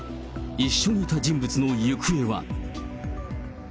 一緒にいた人物の行方は。